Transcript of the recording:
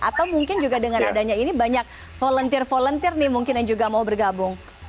atau mungkin juga dengan adanya ini banyak volunteer volunteer nih mungkin yang juga mau bergabung